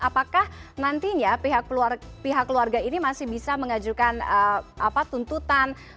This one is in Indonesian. apakah nantinya pihak keluarga ini masih bisa mengajukan tuntutan